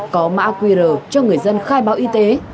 có mã qr cho người dân khai báo y tế